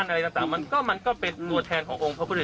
มึงขัดเจาะไปเป็นอย่างไร